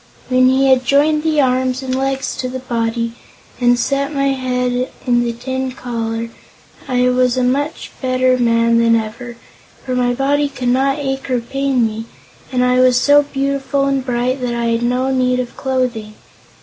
When he had joined the arms and legs to the body, and set my head in the tin collar, I was a much better man than ever, for my body could not ache or pain me, and I was so beautiful and bright that I had no need of clothing.